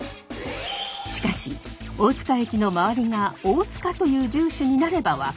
しかし大塚駅の周りが大塚という住所になれば分かりやすい。